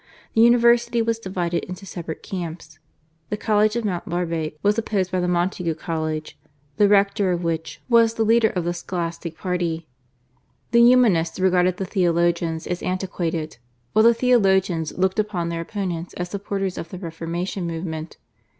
The university was divided into separate camps. The college of St. Barbe was opposed by the Montaigue College, the rector of which was the leader of the Scholastic party. The Humanists regarded the Theologians as antiquated, while the Theologians looked upon their opponents as supporters of the Reformation movement.